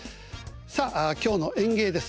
さあ今日の演芸です。